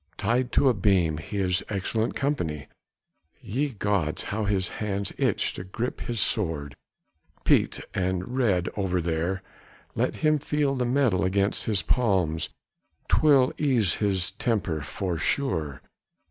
Tied to a beam, he is excellent company! Ye gods, how his hands itch to grip his sword. Piet the Red over there! let him feel the metal against his palms, 'twill ease his temper for sure!